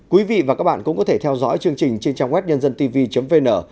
quý vị và các bạn cũng có thể theo dõi chương trình trên trang web nhân dân tv vn